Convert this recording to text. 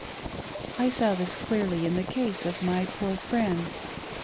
I saw this clearly in the case of my poor friend.